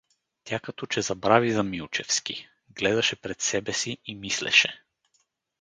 Тя като че забрави за Милчевски, гледаше пред себе си и мислеше.